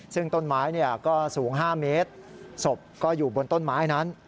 ซึ่งต้นไม้ก็สูง๕เมตรศพก็อยู่บนต้นไม้นั้น